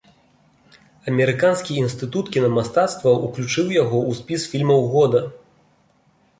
Амерыканскі інстытут кінамастацтва ўключыў яго ў спіс фільмаў года.